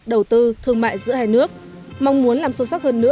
đầu tư thương mại giữa hai nước mong muốn làm sâu sắc hơn nữa